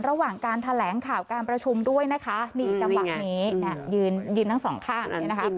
ระหว่างการแถลงข่าวการประชุมด้วยนะคะนี่จังหวะนี้ยืนทั้งสองข้าง